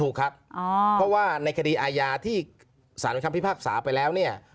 ถูกครับเพราะว่าในคดีอาญาที่สารคำพิพากษาไปแล้วเนี่ย